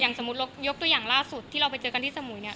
สมมุติเรายกตัวอย่างล่าสุดที่เราไปเจอกันที่สมุยเนี่ย